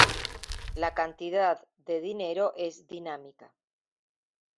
La cantidad de dinero es dinámica.